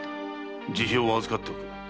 辞表は預かっておく。